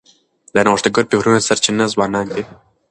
د نوښتګر فکرونو سرچینه ځوانان دي.